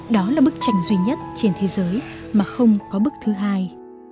đó là bức tranh duy nhất trên thế giới mà không có bức thứ hai